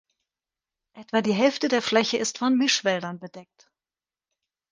Etwa die Hälfte der Fläche ist von Mischwäldern bedeckt.